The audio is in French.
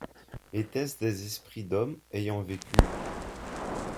Était-ce des esprits d’hommes ayant vécu ?